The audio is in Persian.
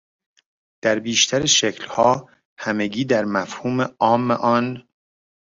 در بیشتر شکلها همگی در مفهوم عام آن